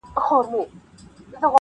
کشکي ستا پر لوڅ بدن وای ځلېدلی-!